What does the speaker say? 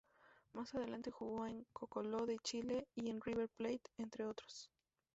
Más adelante jugó en Colo-Colo de Chile y en River Plate, entre otros.